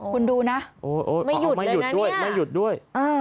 คุณดูนะไม่หยุดไม่หยุดด้วยไม่หยุดด้วย